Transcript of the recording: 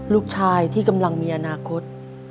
ลูกชายที่กำลังมีอนาคต